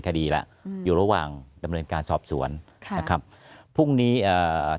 คดีแล้วอืมอยู่ระหว่างดำเนินการสอบสวนค่ะนะครับพรุ่งนี้อ่า